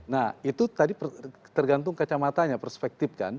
nah itu tadi tergantung kacamatanya perspektif kan